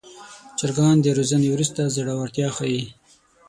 چرګان د روزنې وروسته زړورتیا ښيي.